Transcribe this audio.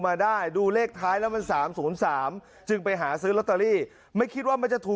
มาได้ดูเลขท้ายแล้วมัน๓๐๓จึงไปหาซื้อลอตเตอรี่ไม่คิดว่ามันจะถูก